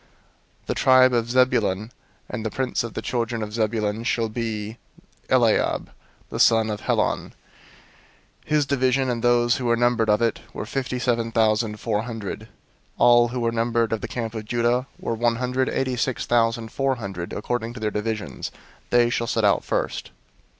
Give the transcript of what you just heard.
002:007 The tribe of Zebulun: and the prince of the children of Zebulun shall be Eliab the son of Helon. 002:008 His division, and those who were numbered of it, were fifty seven thousand four hundred. 002:009 All who were numbered of the camp of Judah were one hundred eighty six thousand four hundred, according to their divisions. They shall set out first.